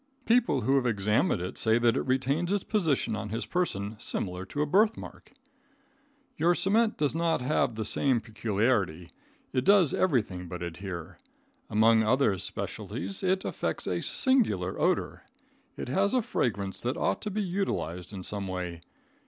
People who have examined it say that it retains its position on his person similar to a birthmark. Your cement does not have the same peculiarity. It does everything but adhere. Among other specialties it effects a singular odor. It has a fragrance that ought to be utilized in some way.